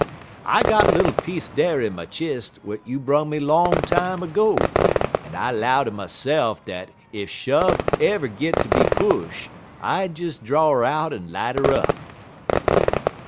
"I got little piece dar in my chist w'at you brung me long time ergo, en I 'low ter myse'f dat ef shove ever git ter be push, I'd des draw 'er out en light 'er up."